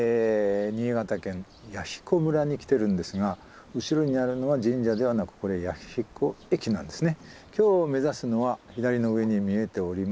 新潟県弥彦村に来てるんですが後ろにあるのは神社ではなくこれ弥彦駅なんですね。